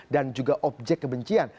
dan juga objek kebencian